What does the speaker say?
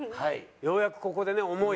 ようやくここでね思いが。